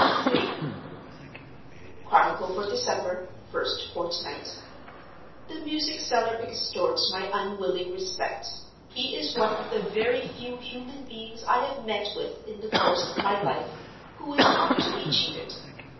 III. Chronicle for December. First Fortnight. The music seller extorts my unwilling respect. He is one of the very few human beings I have met with in the course of my life who is not to be cheated.